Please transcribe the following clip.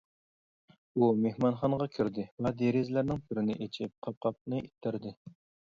ئۇ مېھمانخانىغا كىردى ۋە دېرىزىلەرنىڭ بىرىنى ئېچىپ قاپقاقنى ئىتتەردى.